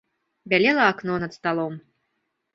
Бялела акно над сталом.